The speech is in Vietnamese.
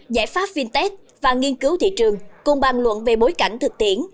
giải pháp fintech và nghiên cứu thị trường cùng bàn luận về bối cảnh thực tiễn